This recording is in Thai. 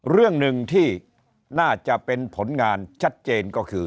เรื่องหนึ่งที่น่าจะเป็นผลงานชัดเจนก็คือ